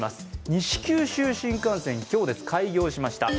西九州新幹線、今日、開業しました。